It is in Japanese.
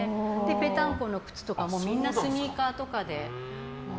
ペタンコの靴とかもみんなスニーカーとかで。